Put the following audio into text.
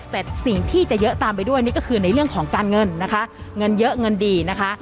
แต่สิ่งที่จะเยอะตามไปด้วยนี่ก็คือในเรื่องของการเงินนะคะเงินเยอะเงินดีนะคะ